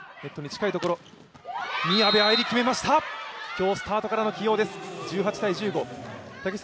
今日スタートからの起用です、宮部藍梨。